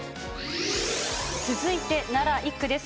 続いて奈良１区です。